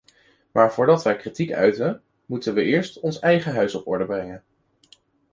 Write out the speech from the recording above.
Maar voordat we kritiek uiten, moeten we eerst ons eigen huis op orde brengen.